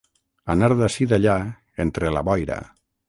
Anar d'ací d'allà, entre la boira.